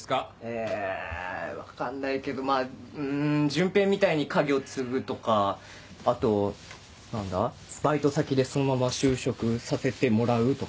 え分かんないけどまぁ潤平みたいに家業を継ぐとかあと何だ？バイト先でそのまま就職させてもらうとか？